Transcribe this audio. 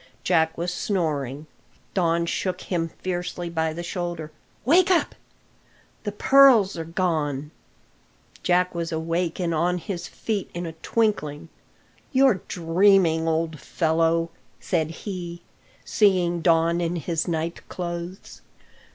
Jack was snoring. Don shook him fiercely by the shoulder. "Wake up! The pearls are gone!" Jack was awake and on his feet in a twinkling. "You're dreaming, old fellow," said he, seeing Don in his night clothes.